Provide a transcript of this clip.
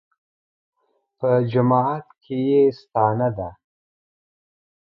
په جماعت کې یې ستانه ده.